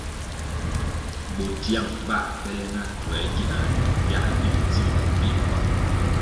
Bo tiang bãh bele na tuĕr gina ri viáh dig dzimbele pil wa.